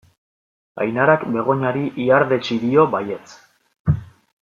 Ainarak Begoñari ihardetsi dio baietz.